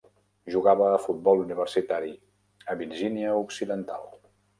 Jugava a futbol universitari a Virgínia Occidental.